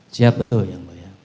siap betul yang mulia